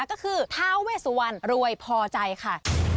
ก็คือท้าเวสุวรรณรวยพอใจค่ะ